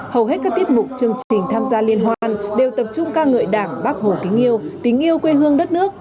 hầu hết các tiết mục chương trình tham gia liên hoan đều tập trung ca ngợi đảng bác hồ kính yêu tình yêu quê hương đất nước